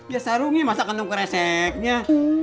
ya sarungnya masa kandung kreseknya